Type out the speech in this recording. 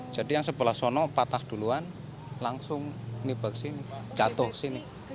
jadi yang sebelah sana patah duluan langsung nipah ke sini jatuh ke sini